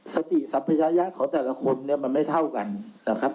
สติสัพยะของแต่ละคนเนี่ยมันไม่เท่ากันนะครับ